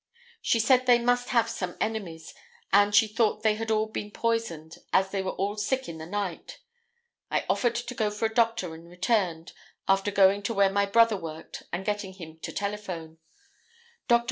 She said they must have some enemies, and she thought they had all been poisoned, as they were all sick in the night. I offered to go for a doctor and returned, after going to where my brother worked and getting him to telephone. Dr.